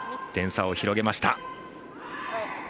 点差を広げました。